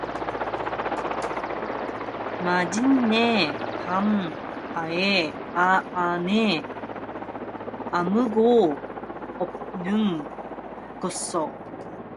마침내 방 안에 아무도 없는 것을 알자 선비는 들어갔다.